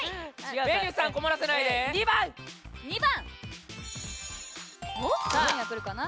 ２番！